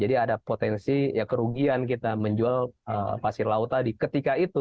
jadi ada potensi kerugian kita menjual pasir laut tadi ketika itu